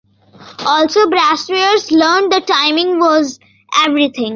Also Braceros learned that timing was everything.